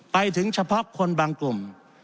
ไปถึงเฉพาะคนบางกลุ่ม